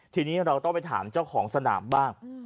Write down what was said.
ทีนี้เราต้องไปถามเจ้าของสนามบ้าง